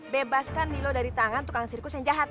bebaskan nilo dari tangan tukang sirkus yang jahat